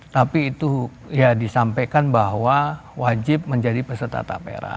tapi itu ya disampaikan bahwa wajib menjadi peserta tapera